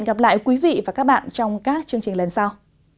hẹn gặp lại quý vị và các bạn trong các chương trình lần sau